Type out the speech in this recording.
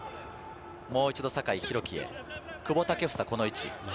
もう一度、酒井宏樹へ久保建英がこの位置。